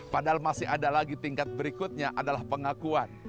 padahal masih ada lagi tingkat berikutnya adalah pengakuan